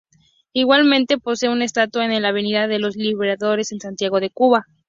Igualmente, posee una estatua en la Avenida de los Libertadores, en Santiago de Cuba.